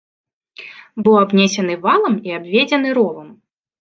Быў абнесены валам і абведзены ровам.